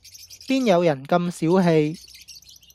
邊有人咁小器